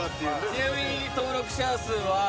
ちなみに登録者数は？